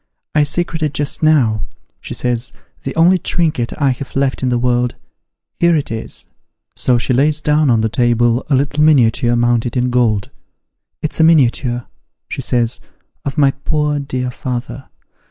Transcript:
I secreted just now,' she says, ' the only trinket I have left in the world here it is.' So she lays down on the table a little miniature mounted in gold. ' It's a miniature,' she says, ' of my poor dear father